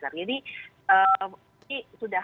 jadi ini sudah